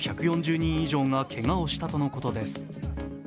１４０人以上がけがをしたとのことです。